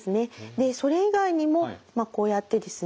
でそれ以外にもまあこうやってですね